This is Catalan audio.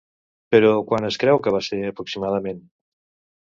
Però quan es creu que va ser, aproximadament?